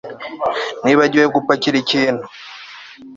Nibagiwe gupakira ikintu